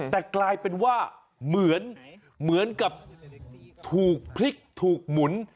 แต่กลายเป็นว่าเหมือนกับถูกพลิกถูกหมุน